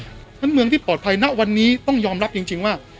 เพราะฉะนั้นเมืองที่ปลอดภัยณวันนี้ต้องยอมรับจริงว่า